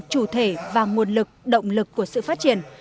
chủ thể và nguồn lực động lực của sự phát triển